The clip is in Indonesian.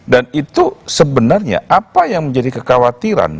dan itu sebenarnya apa yang menjadi kekhawatiran